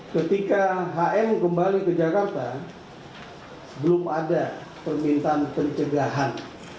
ketika hm kembali ke jakarta belum ada permintaan pencegahan